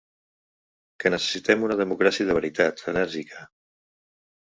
Que necessitem una democràcia de veritat, enèrgica.